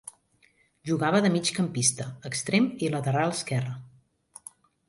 Jugava de migcampista, extrem i lateral esquerre.